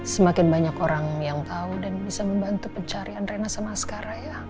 semakin banyak orang yang tahu dan bisa membantu pencarian rena sama sekarang ya